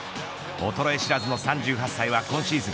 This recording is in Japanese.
衰え知らずの３８歳は今シーズン